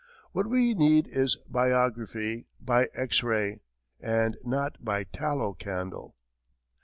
What we need is biography by X ray, and not by tallow candle.